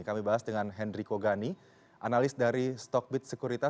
kami bahas dengan hendrico gani analis dari stockbit securitas